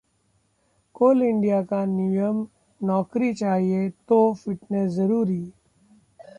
कोल India का नियम, नौकरी चाहिए तो फिटनेस जरूरी